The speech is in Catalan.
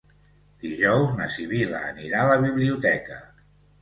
Dijous na Sibil·la anirà a la biblioteca.